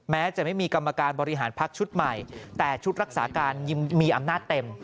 แม้จะไม่มีกรรมการบริหารพักชุดใหม่แต่ชุดรักษาการมีอำนาจเต็ม